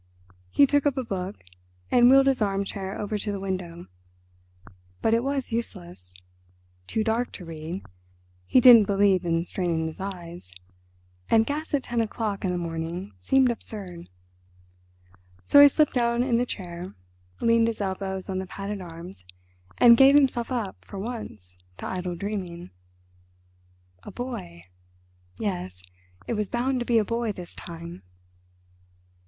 He took up a book, and wheeled his arm chair over to the window. But it was useless. Too dark to read; he didn't believe in straining his eyes, and gas at ten o'clock in the morning seemed absurd. So he slipped down in the chair, leaned his elbows on the padded arms and gave himself up, for once, to idle dreaming. "A boy? Yes, it was bound to be a boy this time...."